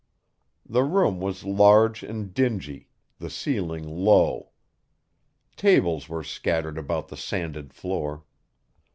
The room was large and dingy, the ceiling low. Tables were scattered about the sanded floor.